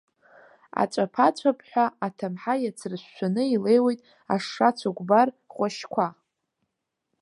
Аҵәаԥаҵәаԥҳәа аҭамҳа иацыршәшәаны илеиуеит ашша цәыкәбар хәашьқәа.